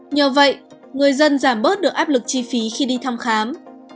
nhờ vậy người dân giảm bớt được áp lực chi phí khi đi thăm khám